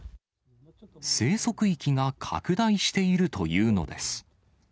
生息域が拡大しているというのです。